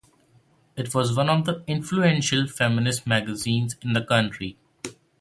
It was one of the influential feminist magazines in the country.